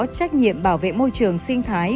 trách nhiệm bảo vệ môi trường sinh thái